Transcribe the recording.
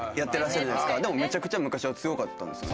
でもめちゃくちゃ昔は強かったんですよね？